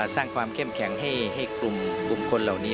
สร้างความเข้มแข็งให้กลุ่มคนเหล่านี้